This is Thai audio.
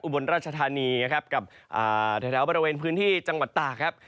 บนราชธานีนะครับกับแถวบริเวณพื้นที่จังหวัดตากครับ